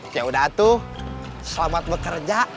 ya udah tuh selamat bekerja